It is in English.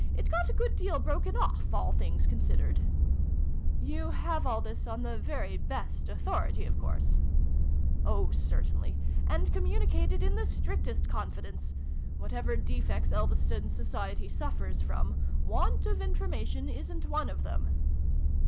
It got a good deal broken off, all things considered !"" You have all this on the very best authority, of course ?"" Oh, certainly ! And communicated in the strictest confidence ! Whatever defects Elves ton society suffers from, want of information isn't one of them